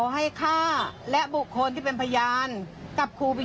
ท่านท่านท่านท่านไม่เหลือไป